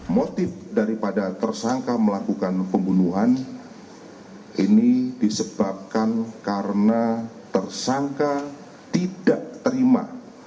motif daripada tersangka melakukan pembunuhan ini disebabkan karena tersangka tidak terima